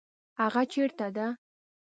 هغه چیرته ده؟